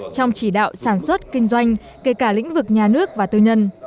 trong chỉ đạo sản xuất kinh doanh kể cả lĩnh vực nhà nước và tư nhân